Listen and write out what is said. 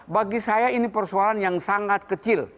bagi saya ini persoalan yang sangat kecil